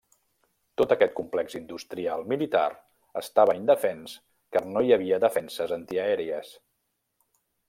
Tot aquest complex industrial militar estava indefens car no hi havia defenses antiaèries.